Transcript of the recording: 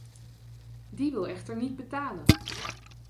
Die wil echter niet betalen.